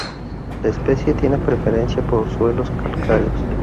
La especie tiene preferencia por los suelos calcáreos.